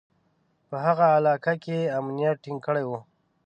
په هغه علاقه کې یې امنیت ټینګ کړی و.